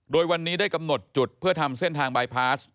โดยวันนี้ได้กำหนดจุดเพื่อทำเส้นทางบายพาส